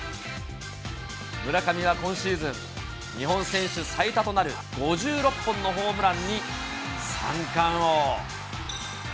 村上は今シーズン、日本選手最多となる５６本のホームランに、三冠王。